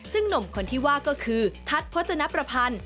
ซึ่งหนุ่มคนที่ว่าก็คือทัศน์พจนประพันธ์